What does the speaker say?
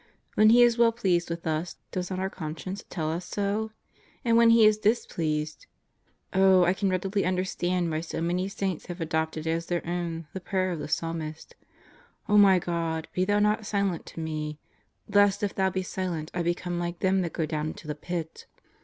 When He is well pleased with us, does not our conscience tell us so? And when He is displeased ... Oh, I can readily understand why so many saints have adopted as their own the prayer of the Psalmist: "Oh, my God, be Thou not silent to me; lest if Thou be silent, I become like them Deeper Depths and Broader Horizons 119 that go down into the pit."